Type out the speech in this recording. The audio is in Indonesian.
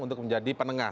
untuk menjadi penengah